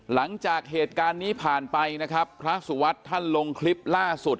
หลังจากเหตุการณ์นี้ผ่านไปนะครับพระสุวัสดิ์ท่านลงคลิปล่าสุด